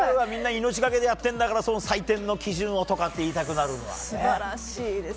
みんな命がけでやってるんだからその採点の基準をとかって言いたくなるわ。